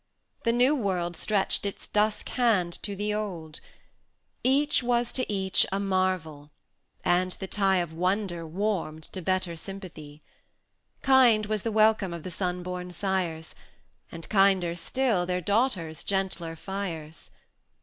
The New World stretched its dusk hand to the Old; Each was to each a marvel, and the tie 240 Of wonder warmed to better sympathy. Kind was the welcome of the sun born sires, And kinder still their daughters' gentler fires.